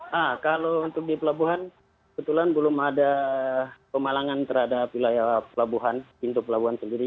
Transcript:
nah kalau untuk di pelabuhan kebetulan belum ada pemalangan terhadap wilayah pelabuhan pintu pelabuhan sendiri